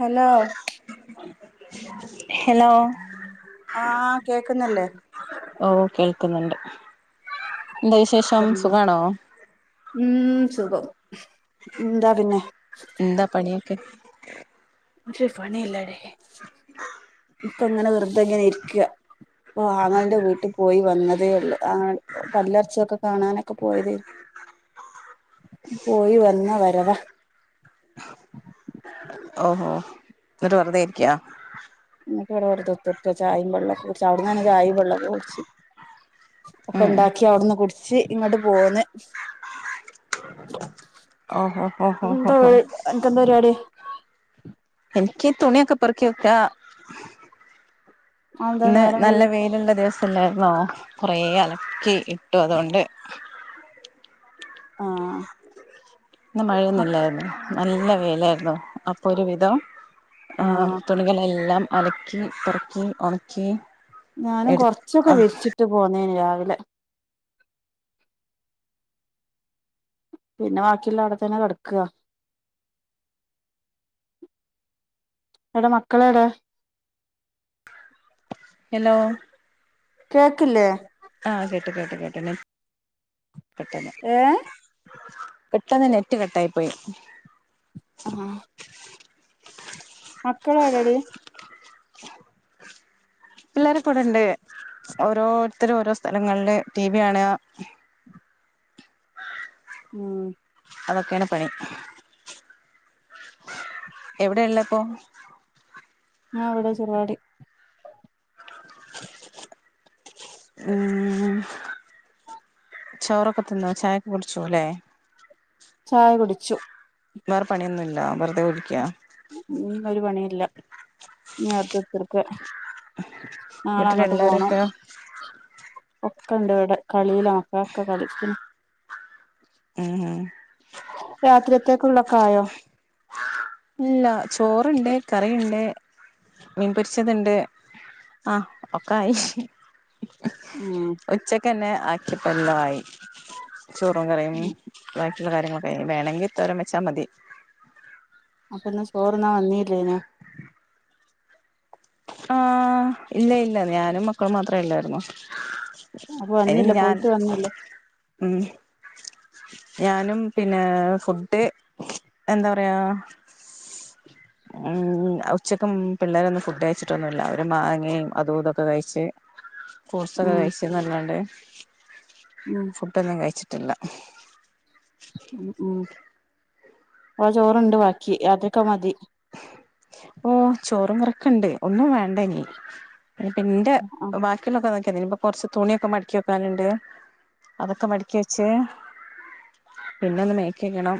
Hello hello ആഹ് കേക്കുന്നില്ലേ ഓഹ് കേൾക്കുന്നുണ്ട് എന്താ വിശേഷം പറയൂ സുഖാണോ ഉം സുഖം എന്താ പിന്നെ ന്താ പണിയൊക്കെ ഒരു പണില്ലാടി ഇപ്പൊങ്ങനെ വെറ്തെ ങ്ങനെ ഇരിക്ക പ്പൊ ആങ്ങളന്റെ വീട്ട് പോയി വന്നതേ ഒള്ളു ആൾ പല്ലർച്ചൊക്കെ കാണാനൊക്കെ പോയതേര്ന്നു [inaudible] പോയി വന്ന വരവാ ഓഹോ ന്നട്ട് വെറുതെ ഇരിക്ക ന്നട്ടിവിടെ വെറ്തെ കുത്തർക്കാ ചായിം വള്ളൊക്കെ കുടിച്ച് അവിട്ന്നന്നെ ചായിം വെള്ളൊക്കെ കുടിച്ച് ഒക്കെ ഉം ഒണ്ടാക്കി അവിടുന്ന് കുടിച്ച് ഇങ്ങോട്ട് പോന്ന് ഓഹോ ഹോ ഹോ ഹോ ക്കെന്താ പരിപാടി എനിക്ക് തുണിയൊക്കെ പെറക്കി വെക്കാ അതെന്താ ഇന്ന് നേരം നല്ല വൈകിയെ വെയിലുള്ള ദിവസം അല്ലായിരുന്നോ കൊറേ അലക്കി ഇട്ടു അതുകൊണ്ട് ആഹ് ഇന്ന് മഴയൊന്നുല്ലായിരുന്നു നല്ല വെയിലാരുന്നു അപ്പോ ഒരു വിധം ആഹ് തുണികളെല്ലാം അലക്കി പെറക്കി ഒണക്കി ഞാനും കൊറച്ചൊക്കെ വിരിച്ചിട്ട് പോന്നേന് രാവിലെ പിന്നെ ബാക്കിയുള്ള അവിടെത്തന്നെ കെടക്കാ എടെ മക്കളേടെ ഹേലോ കേക്കില്ലേ ആഹ് കേട്ട് കേട്ട് [unintelligible] ഏഹ് പെട്ടന്ന് നെറ്റ് കട്ടായി പോയി ആഹ് മക്കളെവടെ പിള്ളേരക്ക ഇവിടൊണ്ട് ഓരോരുത്തരും ഓരോ സ്ഥലങ്ങളില് ടി വി കാണ്കാ ഉം അതൊക്കെയാണ് പണി എവിടെയൊള്ളെപ്പോ ഞാ ഇവടെ ചെറുവാടി ഉം ചോറൊക്കെ തിന്നോ ചായക്കെ കുടിച്ചുലേ ചായ കുടിച്ചു വേറെ പണിയൊന്നുവില്ല വെറുതെ ഇരിക്കാ ഉം ഒരു പണിയില്ല നേരത്തെ തീർക്കേ നാളെ അങ്ങാട്ട് പോണം വീട്ടിലെല്ലാവരൊക്കെ ഒക്കണ്ട് ഇവടെ കളിയിലാ മക്കളൊക്കെ കളി [unintelligible] ഉം രാത്രിയത്തേക്ക്ള്ളൊക്കെ ആയോ ഇല്ല ചോറ്ണ്ട്, കറിണ്ട്. മീൻപൊര്ച്ചത്ണ്ട് ആഹ് ഒക്കായി. ഉം ഉച്ചക്കന്നെ ആക്കിയപ്പോ എല്ലോം ആയി ചോറും കറിയും. ഉം വാക്കിള്ള കാര്യങ്ങളൊക്കെ ആയി വേണങ്കി തോരം വെച്ചാ മതി. അപ്പോ ഇന്ന് ചോറ്ന്നാ വന്നില്ലേനോ? ആഹ് ഇല്ല ഇല്ല ഞാനും മക്കളും മാത്രേം ഇല്ലാര്ന്നു അപ്പൊ അയിന് വന്നില്ല ഞാൻ പോയിട്ട് വന്നില്ല ഉം ഞാനും പിന്നെ ഫുഡ് എന്താ പറയാ ഉം ഉച്ചക്കും പിള്ളേരൊന്നും ഫുഡ് കഴിച്ചിട്ടൊന്നുല്ല. അവര് മാങ്ങേം അതും ഇതൊക്കെ കഴിച്ച് ഫ്രൂട്ട്സൊക്കെ ഉം കഴിച്ചന്നല്ലാണ്ട് ഉം ഫുഡൊന്നും കഴിച്ചിട്ടില്ല. ഉം ഉം ആ ചോറ്ണ്ട് ബാക്കി അതൊക്കെ മതി. ഓഹ് ചോറും കറിക്കണ്ട് ഒന്നും വേണ്ടാ ഇനി [unintelligible] ന്റെ ആഹ് ബാ ക്കിള്ളത് നോക്കിയാ മതി. ഇനിയിപ്പോ കൊറച്ച് തുണിയൊക്കെ മട്ക്കി വെക്കാന്ണ്ട്. അതൊക്കെ മട്ക്കി വെച്ച് പിന്നെ ഒന്ന് മേക്കേകണം.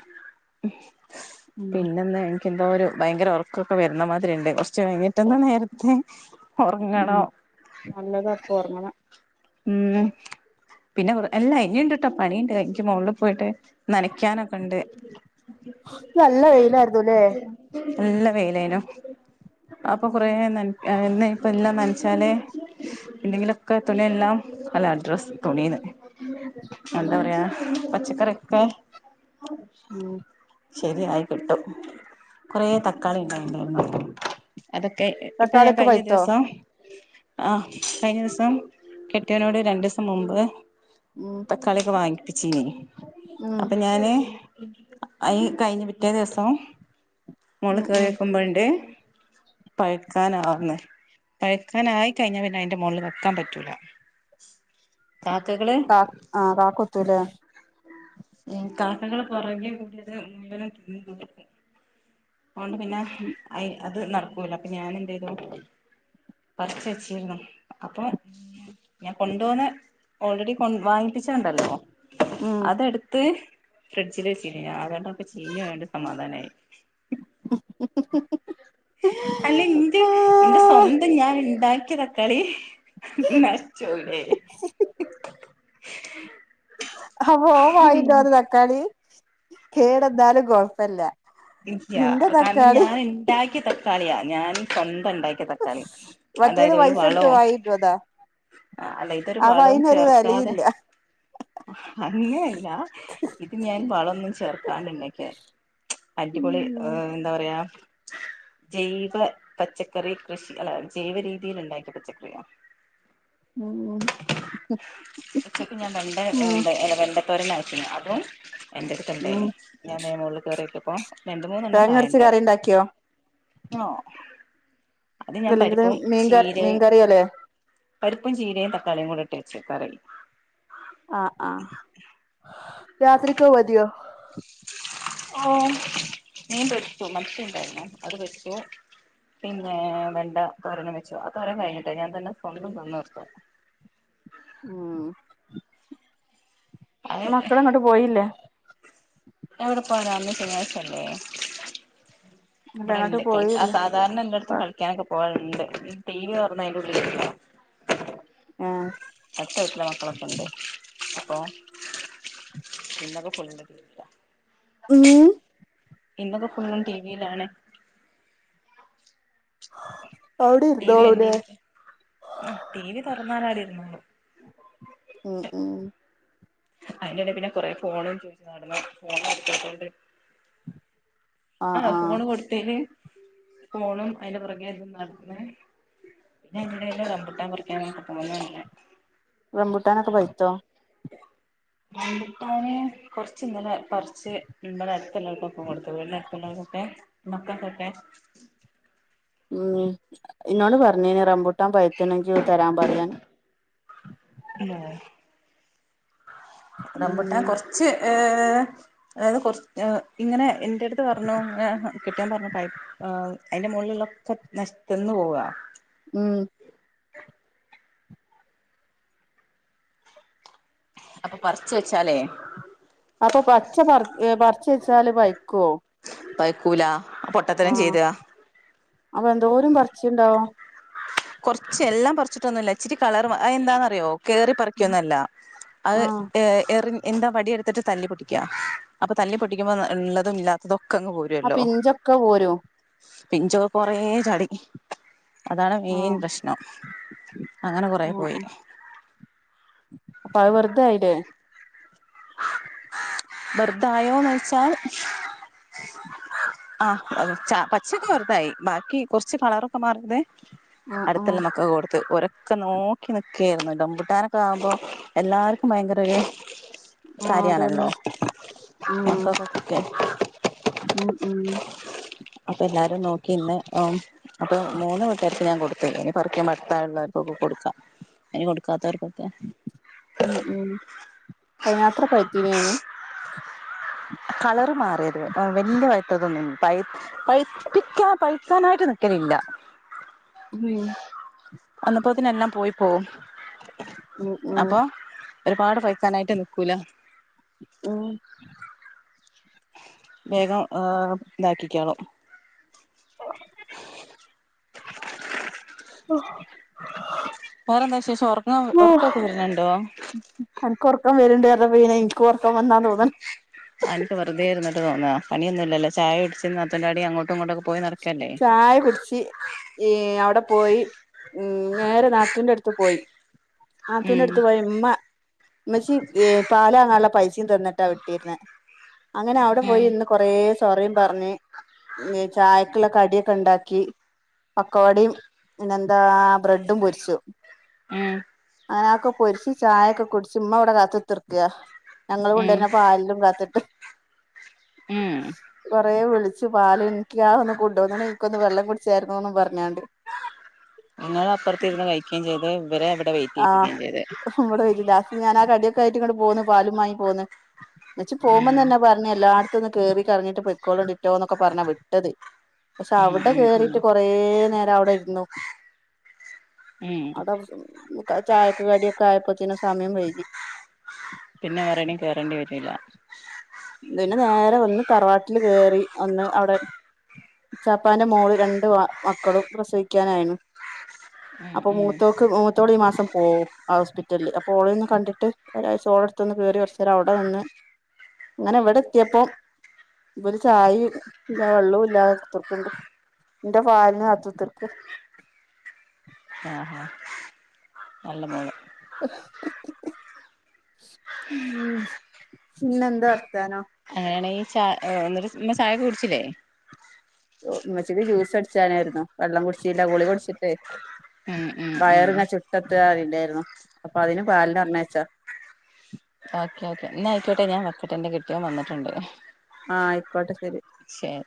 ഉം പിന്നെന്ന് എൻക്ക് എന്തോ ഒരു ഭയങ്കര ഒർക്കൊക്കെ വര്ന്നമാതിരി ഇണ്ട്. കൊർച്ച് കഴിഞ്ഞിട്ടൊന്ന് നേരത്തെ ഒറങ്ങണം. നല്ലതാപ്പോ ഒറങ്ങണെ ഉം പിന്നെ എല്ലാ ഇനിണ്ട്ട്ടോ പണിണ്ട്. ൻക്ക് മോള് പോയിട്ട് നനക്കാനൊക്കെ ഇണ്ട്. നല്ല വെയിലായിരുന്നുല്ലേ നല്ല വെയിലേനു. അപ്പൊ കൊറേ നൻ എന്ന് ഇപ്പ എല്ലാം നൻച്ചാലേ എന്തെങ്കിലൊക്കെ തുണിയ ല്ലാം ഡ്രസ്സ് തുണീന്ന് എന്താ ഉം പറയാ പച്ചക്കറിയൊക്കെ ഉം ശരിയായി കിട്ടും. കൊറെ തക്കാളി ഇണ്ടായിനി അതൊക്കെ ഇപ്പ ഞാൻ തക്കാളിയൊക്കെ കഴിഞ്ഞ പഴുത്തോ ദിവസം ആ കഴിഞ്ഞ ദിവസം കെട്ടിയോനോട് രണ്ടീസം മുമ്പ് ഉം ക്കാളിയൊക്കെ വാങ്ങിപ്പിച്ചീനി ഉം അപ്പൊ ഞാന് അയ് കഴ്ഞ്ഞ് പിറ്റേ ദിവസം മോൾല് ഉം ഉം കേറിയോക്കുമ്പോണ്ട് പഴുക്കാനാവ്ന്ന് പഴുക്കാനായിക്കഴിഞ്ഞാ പിന്നെ അയ്ൻറെ മോൾല് വെക്കാൻ പറ്റൂല. കാക്കകള് കാ ആ കാക്കൊത്തൂലേ ഉം കാക്കകള് പൊറകേ കൂടത് മുയ്വനും തിന്ന് തീർക്കും. അതൊണ്ട് പിന്നെ അ അത് നട്ക്കൂല അപ്പൊ ഞാനെന്തെയ്തു. പർച്ചെച്ചീര്ന്നു അപ്പൊ ഞാൻ കൊണ്ടോന്ന ഓൾറെഡി വാങ്ങിപ്പിച്ചണ്ടല്ലോ ഉം അതെടുത്ത് ഫ്രിഡ്ജില് വെച്ചീനി. [unintelligible] ചീഞ്ഞോയോണ്ട് സമാധാനായി. ഹ്ഹ്ഹ് ഹ്ഹ്ഹ് അല്ല ഇന്റെ ഇന്റെ സ്വന്തം ഞാൻ ഇണ്ടാക്കിയ തക്കാളി നഷ്ച്ചോവ് ലേ അപ്പൊ ഓൻ വാങ്ങിണ്ടോന്ന തക്കാളി കേടന്നാലും കൊഴപ്പല്ല. ഇല്ല നിന്റെ കാര്ണം തക്കാളി ഞാൻ ഉണ്ടാക്കിയ തക്കാളിയാ ഞാൻ സ്വന്തം ഇണ്ടാക്കിയ തക്കാ ളി മറ്റേത് അതായത് ഒരു പൈസ വളോ കൊടുത്ത് വാങ്ങിട്ട് വന്നതാ ആ അല്ല ഇതൊരു അപ്പൊ വളും അയിനൊരു ചേർക്കാതെ വെലയില്ല അങ്ങനെയല്ല ഇത് ഞാൻ വള ഒന്നും ചേർക്കാണ്ട് ഇണ്ടാക്കിയ അടിപൊളി ഉം എന്താ പറയാ ജൈവ പച്ചക്കറി കൃഷി അല്ല ജൈവ രീതിയില് ഇണ്ടാക്കിയ പച്ചക്കറിയ ഉം ഉച്ചക്ക് ഞാൻ വെണ്ട ഉം ഇണ്ട് വെണ്ട തോരനാ ച്ചീനെ അതും എന്റെ അട്ത്ത് ഉം ണ്ടായിനി. ഞാൻ മോൾല് കേറിയോക്കിയപ്പം തേങ്ങ അരച്ച് കറിണ്ടാക്കിയോ? നോ അല്ലെങ്കില് മീൻകറി മീൻകറിയല്ലേ? പരിപ്പും ചീരയും തക്കാളിയും കൂടെ ഇട്ട് വെച്ചു. കറി ആഹ് ആഹ്. രാത്രിക്ക് അത് മത്യോ? ഓഹ് മീൻ പൊരിച്ചു. മത്തി ഇണ്ടായിരുന്നേ അത് പൊരിച്ചു. പിന്നെ വെണ്ട തോരനും വെച്ചു. ആ തോരൻ കഴിഞ്ഞിട്ടേ. ഞാൻ തന്നെ സ്വന്തം തിന്ന് തീർത്തു. ഉം അത് മക്കളെങ്ങോട്ടും പോയില്ലേ? എവടെ പോവാനാന്ന് ശനിയാഴ്ചല്ലേ? ഇല്ല എങ്ങോട്ട് ഇബടെണ്ട് കളിച്ചാൻ സാ പോയില്ല സാധാരണ എല്ലായിടത്തും കളിക്കാനൊക്കെ പോവാറുണ്ട്. ഈ ടി വി തൊറന്ന അതിന്റെ ഉള്ളിക്ക് ആഹ് അടുത്ത വീട്ടില മക്കളൊക്കെണ്ട്. അപ്പോ [unintelligible] ഉം ഇന്നുപ്പോ ഫുള്ളും ടി വി ലാണ് [inaudible] ടി വി ഇരുന്നോളൂല്ലേ കണ്ടിരിക്ക. ആഹ് ടി വി തൊറന്നാലവിടെ ഇരുന്നോളും. ഉം ഉം അതിന്റെ എടേല് പിന്നെ കൊറെ ഫോണും ചോദിച്ചു നടന്നു. ഫോണ് കൊടുക്കാത്തോണ്ട് ആഹ് ഫോണ് കൊടുത്തേല് ഫോണും അതിന്റെ പുറകേ ഇതും നടന്ന് പിന്നെ അയിന്റെ എടേല് റമ്പൂട്ടാൻ പറിക്കാൻ [inaudible] റമ്പുട്ടാനോക്കെ പറിച്ചോ? റമ്പൂട്ടാന് കുറച്ച് ഇങ്ങനെ പറിച്ച് ഇബടെ അടുത്തുള്ളോർക്കൊക്കെ കൊടുത്ത്. വീട്ന്റെ അടുത്തുള്ളോർക്കൊക്കെ മക്കക്കൊക്കെ ഉം. ഇന്നോട് പറഞ്ഞ്നി റംമ്പൂട്ടാൻ പയ്ത്ത്നെങ്കി തരാൻ പറയാന് ഏഹ് റമ്പൂട്ടാൻ ഉം കൊറച്ച് ച്ച് ഏഹ് അതായത് കൊറച്. ഏഹ്. ഇങ്ങനെ എന്റടുത്ത് പറഞ്ഞുങ്ങനേ കെട്ടിയാൻ പറഞ്ഞു പൈ ആഹ് അയിന്റെ മോളില്ള്ളോക്കെ നശ് ത്ത്ന്നു പോവാ. ഉം അപ്പ പറച്ച് വെച്ചാലേ അപ്പ പച്ച പറ പറച്ച് വെച്ചാല് പയ്ക്ക്വോ? പൈക്കൂല. പൊട്ടത്തരം ചെയ്താ അപ്പ എന്തോരും പർച്ചുണ്ടാവും? കൊർച്ച് എല്ലാം പറിച്ചിട്ടൊന്നുല്ല. ഇച്ചിരി കളർ അത് എന്താന്നറിയോ? കേറി പറയ്ക്കൊന്ന്വല്ല. അത് ആഹ് ഏഹ് എറിൻ എന്താ വടി എടു ത്തിട്ട് തല്ലി പൊട്ടിക്കാ. അപ്പ തല്ലി പൊട്ടിക്കുമ്പോ ഇള്ളതും ഇല്ലാ ത്തതൊക്കെങ്ങ് ആ പോര്വോല്ലോ പിഞ്ചൊക്കെ പോരും പിഞ്ചോ കൊറേ ചാടി. അതാണ് മെയിൻ ആഹ് പ്രശ്നോ. അങ്ങനെ കൊറേ പോയി. അപ്പ അത് വെർതേ ആയില്ലേ? വെർതായോന്നോയ്ച്ചാൽ ആഹ് ച്ച പച്ചോക്കെ വെറുതായി. ബാക്കി കൊറച്ച് കളറൊക്കെ മാറ്തേ ആഹ് ആഹ് അടുത്ത്ള്ള മക്കൊക്കേ കൊടുത്ത്. ഓരാ ക്ക നോക്കി നിക്കായിരുന്നു. റംബുട്ടാനൊക്കെ ആവുമ്പോ എല്ലാർക്കും ഭയങ്കര ഒരു ആഹ് കാര്യാണല്ലോ അതന്നെ. ഉം മക്കൾക്കൊക്കെ ഉം ഉം അപ്പ എല്ലാരും നോക്കിന്ന്. ഓം അപ്പ മൂന്ന് വീട്ടുകാര്ക്കും ഞാൻ കൊടുത്തേനു പറയ്ക്കാ. ഉമ്മർത്താളുള്ളോർക്കൊക്കെ കൊടുക്കാ. എനി കൊടുക്കാത്തോർക്കൊക്കെ ഉം ഉം. അയിന് മാത്ര പഴ്ത്തീനാ അയിന്? കളർ മാറിയത് വല്യ വയത്തതൊന്ന പ പഴപ്പിക്ക പഴത്താനായിട്ട് നിക്കലില്ല [inaudible] അന്നപ്പോത്തിന്ന എല്ലാം പോയി പോകവും ഉം ഉം അപ്പൊ ഒരുപാട് പൈക്കാനായിട്ട് നിൽക്കൂല ഉം വേഗം ഇതാക്കിക്കളൂ [inaudible] [inaudible] വേറെന്താ ശേഷം ഉറ ഉറക്കൊക്കെ വരണണ്ടോ എനക്ക് ഉറക്കൻ വരണ്ട വര പിന്നെ എനിക്ക് ഉറക്കൻ വന്നാ തോന്നൻ ആഹ് എനിക്ക് വെുതൊയിട്ട് തോന്ന പിണി ഇല്ല ചായകുടിച്ച്അത്തൻ്റെടി അങ്ങോട്ടും ഇങ്ങോട്ടൊക്കെ പോയി നടക്ക് ചായ കുടിച്ച് ഈ അവിടെ പോയി ഉം നേരെ നാഞൂന്റെ അടുത്ത് പോയി ആഹ നാതുണെ ഉം എടുത്ത് പോയി ഉമ്മ മച്ചി പാല അങ്ങനാനുള്ള പൈസയും തന്നിട്ടാ വിട്ടിരുന്ന അങ്ങനെ അവിടെ പോയി ഉം ഇന്ന് കൊറ സോറയും പറഞ്ഞ് ചായ കടിയൊക്കെ ഉണ്ടാക്കി പക്കവാടും പിന്നെന്താ ബ്രെഡും പൊരിച്ചു ഉം അങ്ങനൊക്കെ പൊരിച്ച് ചായയൊക്കെ കുടിച്ച് ഉമ്മ ഇവിടെ കാത്ത്ത്തിർക്കയ ഞങ്ങള് കൊണ്ടു തന്നെ പാലിലും കാത്തിട്ട് ഉം കൊറേ വിളിച്ചു പാല് എനിക്ക് ആഹ് ഒന്ന് കൊണ്ടുവന്ന എനിക്കൊന്ന് വെള്ളം കുടിച്ചായിരുന്നോന്നും പറഞ്ഞോണ്ട് ഇങ്ങള് അപ്പുറത്ത് ഇരുന്ന് കഴിക്കുകയും ചെയ്ത് ഇവരെ ഇവിടെ വെയിറ്റ് ചെയ്യിപ്പിക്കുകയും ചെയ്ത് അവിടെ ഒരിതാക്കി ഞാൻ ആ കടിയൊക്കെ ആയിട്ട് ഇങ്ങട്ട് പോകുന്നു പാലും വാങ്ങി പോന്ന് വെച്ച് പോകുമ്പ ഉം തന്നെ പറ ഇങ്ങനെ എല്ലായിടത്തും ഒന്ന് കേറി കറങ്ങിട്ട് പൊയ്ക്കോലിട്ടോ എന്നൊക്കെ പറഞ്ഞ വിട്ടത് പക്ഷെ ഉം അവിടെ ഉം ഉം കേറീട്ട് കൊറേ കൊറേ നേരം അവിടെ ഇരുന്നു ഉം [unintelligible] ചായക്ക് കടിയൊക്കെ ആയപ്പോത്തിന് സമയം വൈകി പിന്നെ വേറെങ്ങും കയറണ്ടി വരൂലാ പിന്നെ നേരെ ഒന്ന് തറവാട്ടില് കേയറി ഒന്ന് അവിടെ ചപ്പാന്റെ മോള് രണ്ട് മക്കളും പ്രസവിക്കാനായിണു ഉം അപ്പൊ ഉം മൂത്തോക്ക് മൂത്തോള് ഈ മാസം പോവും ഹോസ്പിറ്റലിൽ അപ്പൊ ഓളന്ന് കണ്ടിട്ട് ഒരാഴ്ച ഓളടുത്തുന്ന് കയറി കുറച്ച് നേരം അവിടെ നിന്ന് അങ്ങനെ ഇവിടെ എത്തിയപ്പം ഇവിടെ ചായയും ഇല്ലാ വെള്ളവും ഇല്ലാ അത്തർക്കണ്ട് എന്റെ വാലിന് അത്തത്തർക്ക് ആഹ് ആഹ് നല്ല മോല പിന്നെ എന്താ വർത്താനം അങ്ങനെയാണെങ്കിൽ ച ഒന്നിട്ട് ഉമ്മ ചായയൊക്കെ കുടിച്ചില്ലേ ഉമ്മച്ചിക്ക് ജ്യൂസ് അടിച്ചാനായിരുന്നു വെള്ളം കുടിച്ചില്ല ഗുളിക കുടിച്ചിട്ടേ ഉം ഉം ഉം വയറിങ്ങനെ ചുട്ടട്ട് കാര്യാല്ലായിരുന്നു അപ്പൊ അതിന് പാലി പറഞ്ഞയച്ചാ ഓക്കെ ഓക്കെ എന്നാ ആയിക്കോട്ടെ ഞാൻ വെക്കട്ടെ എന്റെ കെട്ടിയോൻ വന്നിട്ടുണ്ട് ആഹ് ആയിക്കോട്ടെ ശെരി ശെരി